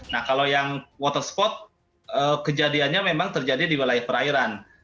nah kalau yang waterspot kejadiannya memang terjadi di wilayah perairan